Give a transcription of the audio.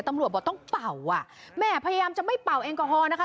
ตำรวจบอกต้องเป่าอ่ะแม่พยายามจะไม่เป่าแอลกอฮอล์นะคะ